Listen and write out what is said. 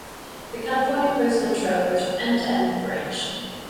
The California Coastal trail goes from end to end of the range.